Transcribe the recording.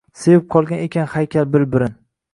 Sevib qolgan ekan haykal bir-birin…